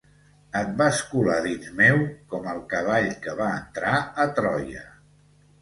Et vas colar dins meu com el cavall que va entrar a Troia.